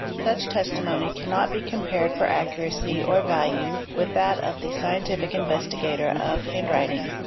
Such testimony cannot be compared for accuracy or value with that of the scientific investigator of handwriting.